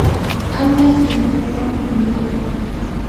añas yanawan yuraqmi.